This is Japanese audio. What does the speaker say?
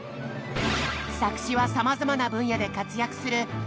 作詞はさまざまな分野で活躍する劇団ひとりさん。